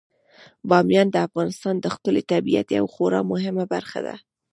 بامیان د افغانستان د ښکلي طبیعت یوه خورا مهمه برخه ده.